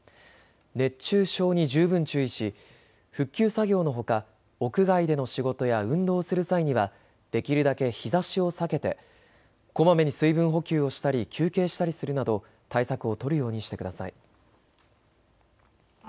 熱中症に十分注意し復旧作業のほか屋外での仕事や運動をする際にはできるだけ日ざしを避けてこまめに水分補給をしたり休憩したりするなど対策を取るようにしてください。